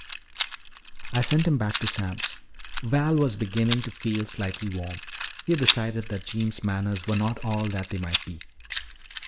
"I sent him back to Sam's." Val was beginning to feel slightly warm. He decided that Jeems' manners were not all that they might be.